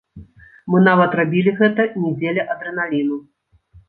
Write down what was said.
Мы нават рабілі гэта не дзеля адрэналіну.